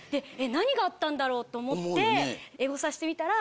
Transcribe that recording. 何があったんだろう？と思ってエゴサしてみたら。